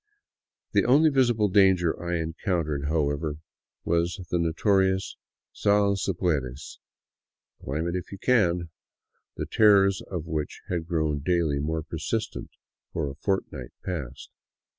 The only visible danger I encountered, however, was the notorious " Sal si puedes — Climb it if you can," the terrors of which had grown daily more persistent for a fortnight past.